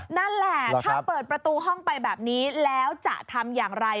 นั่นแหละถ้าเปิดประตูห้องไปแบบนี้แล้วจะทำอย่างไร